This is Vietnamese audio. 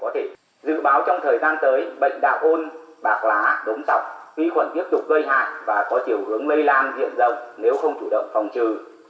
khí khuẩn tiếp tục gây hại và có chiều hướng lây lan diện rộng nếu không chủ động phòng trừ